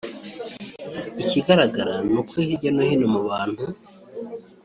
Ikigaragara ni uko hirya no hino mu bantu